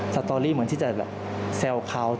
สตอรี่เหมือนที่จะแบบแซวเขา